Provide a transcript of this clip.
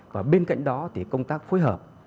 và bên cạnh đó thì công tác phối hợp